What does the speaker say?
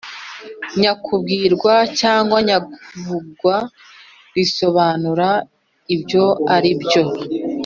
nyakubwirwa cyangwa nyakuvugwa risobanura ibyo ari byo .